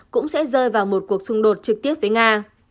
cũng sẽ rơi vào một cuộc xung đột trực tiếp với nga